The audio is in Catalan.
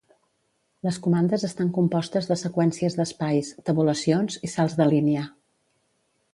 Les comandes estan compostes de seqüències d'espais, tabulacions i salts de línia.